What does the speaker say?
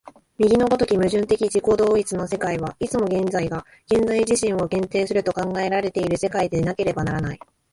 右の如き矛盾的自己同一の世界は、いつも現在が現在自身を限定すると考えられる世界でなければならない。